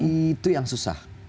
itu yang susah